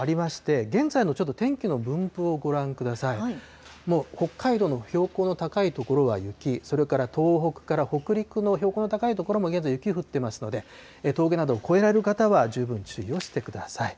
もう北海道の標高の高い所は雪、それから東北から北陸の標高の高い所も現在、雪が降ってますので、峠などを越えられる方は十分注意をしてください。